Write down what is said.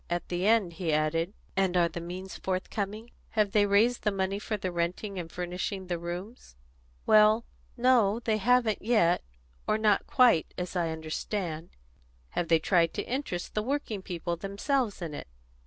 At the end he asked: "And are the means forthcoming? Have they raised the money for renting and furnishing the rooms?" "Well, no, they haven't yet, or not quite, as I understand." "Have they tried to interest the working people themselves in it?